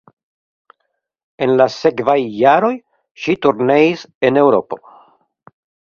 En la sekvaj jaroj ŝi turneis en Eŭropo.